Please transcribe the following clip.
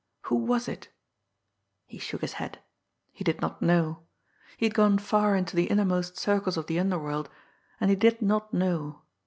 Who was it? He shook his head. He did not know. He had gone far into the innermost circles of the underworld and he did not know.